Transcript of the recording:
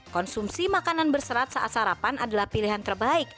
konsumsi makanan berserat saat sarapan adalah pilihan terbaik